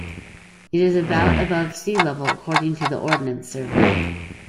It is about above sea level according to Ordnance Survey.